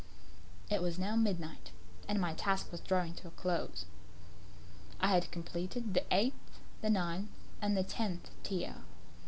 It was now midnight, and my task was drawing to a close. I had completed the eighth, the ninth, and the tenth tier.